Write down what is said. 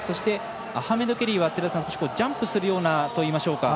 アハメド・ケリーはジャンプするようなといいましょうか。